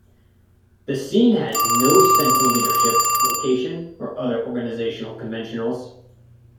The Scene has no central leadership, location, or other organizational conventionals.